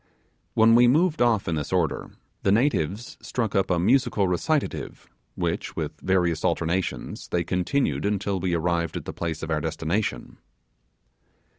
When we moved off in this order, the natives struck up a musical recitative, which with various alternations, they continued until we arrived at the place of our destination.